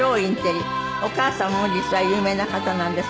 お母様も実は有名な方なんです。